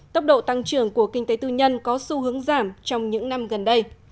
tốc độ tăng trưởng của kinh tế tư nhân có xu hướng giảm trong những năm gần đây